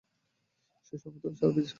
সে সবেমাত্র ছাড়া পেয়েছে।